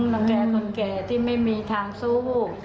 รังแก่คนแก่ที่ไม่มีทางสู้